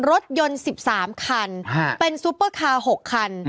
รถยนต์๑๓คันเป็นซุปเปอร์คาร์๖คัน